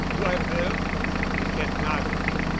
You have heard?" Piquette nodded.